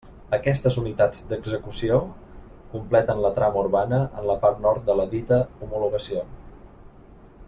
Aquestes unitats d'execució completen la trama urbana en la part nord de la dita homologació.